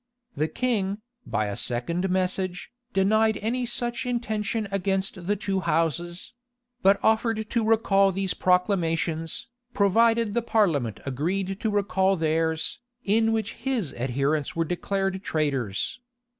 The king, by a second message, denied any such intention against the two houses; but offered to recall these proclamations, provided the parliament agreed to recall theirs, in which his adherents were declared traitors.